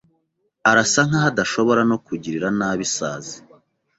Arasa nkaho adashobora no kugirira nabi isazi.